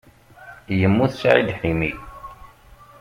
Yemmut Saɛid Ḥimi.